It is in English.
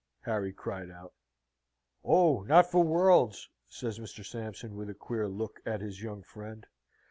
Harry cried out. "Oh, not for worlds!" says Mr. Sampson, with a queer look at his young friend.